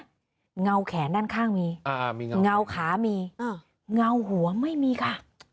เงาแขนด้านข้างมีเงาขามีเงาหัวไม่มีค่ะ